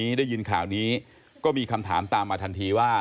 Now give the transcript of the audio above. ได้ยินข่าวนี้ก็มีคำถามตามมาทันทีว่า